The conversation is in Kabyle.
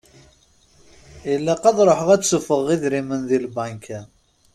Ilaq ad ṛuḥeɣ ad d-suffɣeɣ idrimen di lbanka.